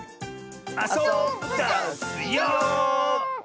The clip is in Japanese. あそぶダスよ！